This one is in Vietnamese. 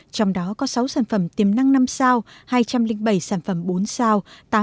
trong đó có sáu sản phẩm tiềm năng năm sao hai trăm linh bảy sản phẩm bốn sao